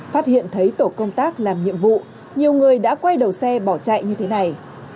phát hiện thấy tổ công tác làm nhiệm vụ nhiều người đã quay đầu xe bỏ chạy như thế này